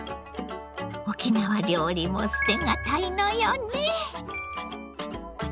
沖縄料理も捨てがたいのよね。